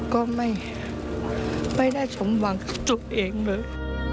ก็ไม่ได้สมหวังกับตัวเองเลย